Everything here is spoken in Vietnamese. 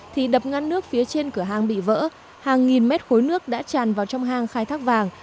thì đập ngăn nước phía trên cửa hàng bị vỡ hàng nghìn mét khối nước đã tràn vào trong hang khai thác vàng